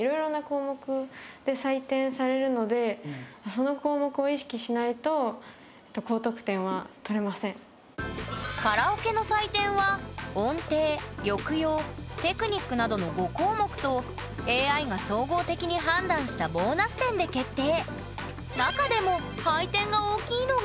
そしてカラオケの採点は音程抑揚テクニックなどの５項目とＡＩが総合的に判断したボーナス点で決定！